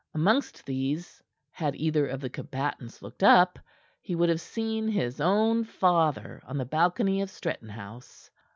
Amongst these, had either of the combatants looked up, he would have seen his own father on the balcony of Stretton House.